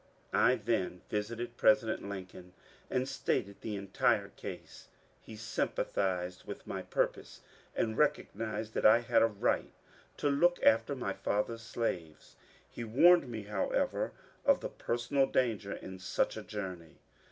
I then visited President Lincoln and stated the entire case. He sympathized with my purpose and recognized that I had a right to look after my father's slaves. He warned me, however, of the personal danger in such a journey.